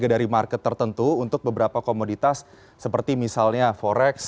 dari market tertentu untuk beberapa komoditas seperti misalnya forex